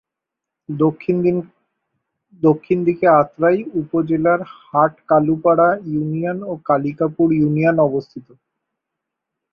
দক্ষিণ দিকে আত্রাই উপজেলার হাট-কালুপাড়া ইউনিয়ন ও কালিকাপুর ইউনিয়ন অবস্থিত।